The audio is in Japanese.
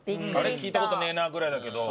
聞いた事ねえなぐらいだけど。